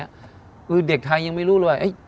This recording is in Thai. คือเด็กไทยยังไม่รู้เลยว่า